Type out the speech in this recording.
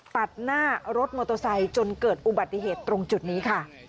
ตัดหน้ารถมอเตอร์ไซค์จนเกิดอุบัติเหตุตรงจุดนี้ค่ะ